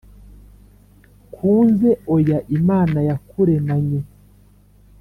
Kunze oya imana yakuremanye